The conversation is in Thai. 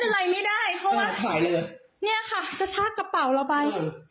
จะชักกระเป๋าเราไป